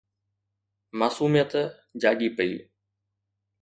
معصوميت جاڳي پئي